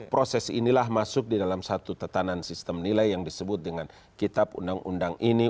proses inilah masuk di dalam satu tetanan sistem nilai yang disebut dengan kitab undang undang ini